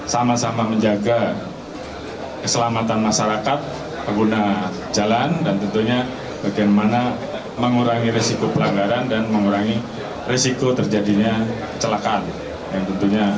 sama sama menjaga keselamatan masyarakat pengguna jalan dan tentunya bagaimana mengurangi risiko pelanggaran dan mengurangi risiko terjadinya celakaan